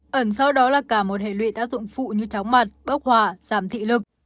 ẩn sau đó là cả một hệ lụy tác dụng phụ như chóng mặt bốc hòa giảm thị lực